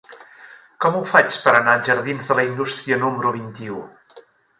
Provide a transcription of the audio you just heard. Com ho faig per anar als jardins de la Indústria número vint-i-u?